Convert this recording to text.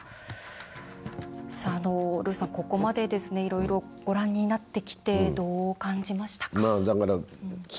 ルーさん、ここまでいろいろご覧になってきてどう感じましたか？